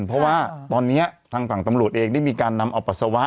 เพราะว่าตอนนี้ทางฝั่งตำรวจเองได้มีการนำเอาปัสสาวะ